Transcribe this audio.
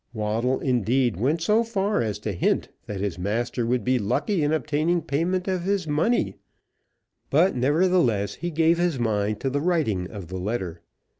Waddle indeed went so far as to hint that his master would be lucky in obtaining payment of his money, but, nevertheless, he gave his mind to the writing of the letter.